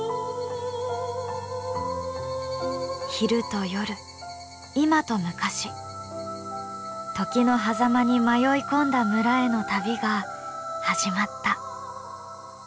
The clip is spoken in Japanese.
昼と夜今と昔時のはざまに迷い込んだ村への旅が始まった。